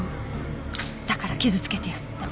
「だから傷つけてやった」